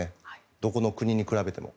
どこの国に比べても。